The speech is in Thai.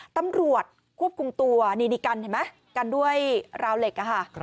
ตำรวจควบคุมตัวนี่กันเห็นไหมกันด้วยราวเหล็กอะค่ะ